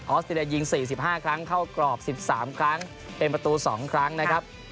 อสเตรเลียยิง๔๕ครั้งเข้ากรอบ๑๓ครั้งเป็นประตู๒ครั้งนะครับ